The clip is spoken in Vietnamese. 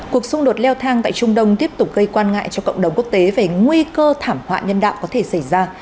cuộc xung đột leo thang tại trung đông tiếp tục gây quan ngại cho cộng đồng quốc tế về nguy cơ thảm họa nhân đạo có thể xảy ra